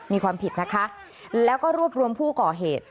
มีความผิดนะคะแล้วก็รวบรวมผู้ก่อเหตุ